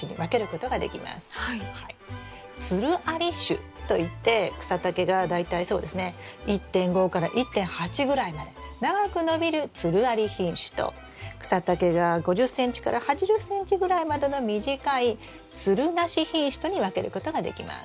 「つるあり種」といって草丈が大体そうですね１．５から１．８ぐらいまで長く伸びるつるあり品種と草丈が５０ｃｍから８０ｃｍぐらいまでの短いつるなし品種とに分けることができます。